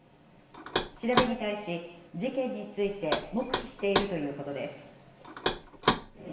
調べに対し、事件について黙秘しているということです。